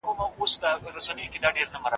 کله ناکله به مې لالټین روښانه کاوه.